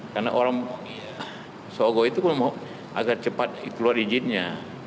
karena orang sogo itu agar cepat keluar izinnya